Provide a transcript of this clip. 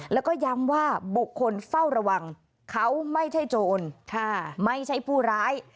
แล้วก็ย้ำว่าบุคคลเฝ้าระวังเขาไม่ใช่โจรไม่ใช่ผู้ร้าย